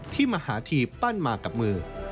มหาธีปั้นมากับมือ